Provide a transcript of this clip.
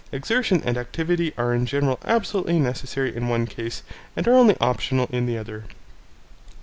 Exertion and activity are in general absolutely necessary in one case and are only optional in the other.